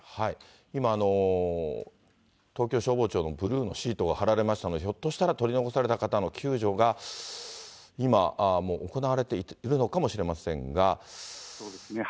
今、東京消防庁のブルーのシートが張られましたので、ひょっとしたら取り残された方の救助が今も行われているのかもしそうですね。